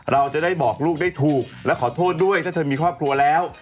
เราจะได้บอกลูกได้ถูกและขอโทษด้วยถ้าเธอมีครอบครัวแล้ว